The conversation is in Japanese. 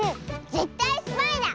ぜったいスパイだ！